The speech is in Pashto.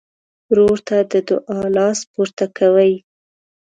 ورور ته د دعا لاس پورته کوي.